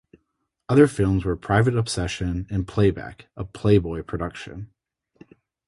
Other films were "Private Obsession" and "Playback", a "Playboy" production.